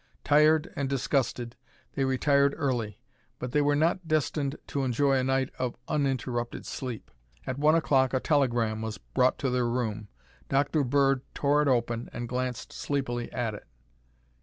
Tired and disgusted, they retired early, but they were not destined to enjoy a night of uninterrupted sleep. At one o'clock a telegram was brought to their room. Dr. Bird tore it open and glanced sleepily at it.